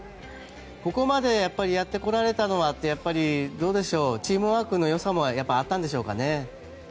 ここまでやってこられたのはやっぱり、どうでしょうチームワークのよさもあったんでしょうかね。